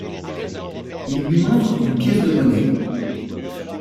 Il lui montre une pièce de monnaie.